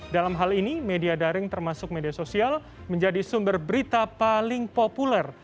dalam hal ini media daring termasuk media sosial menjadi sumber berita paling populer